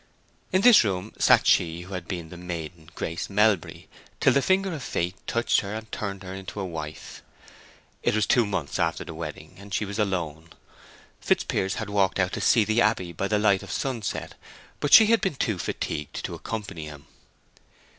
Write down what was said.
In this room sat she who had been the maiden Grace Melbury till the finger of fate touched her and turned her to a wife. It was two months after the wedding, and she was alone. Fitzpiers had walked out to see the abbey by the light of sunset, but she had been too fatigued to accompany him.